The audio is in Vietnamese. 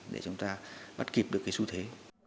để chúng ta bắt kịp được cái xu thế